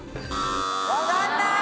わかんない。